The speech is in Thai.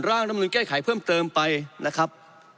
ร่างรัฐมนุนแก้ไขเพิ่มเติมไปนะครับ